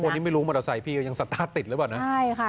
พวกนี้ไม่รู้มอเตอร์ไซต์พี่ยังสตาร์ทติดหรือเปล่า